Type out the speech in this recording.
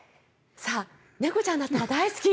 猫ちゃんだったら大好き。